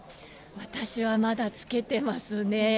私はまだ着けてますね。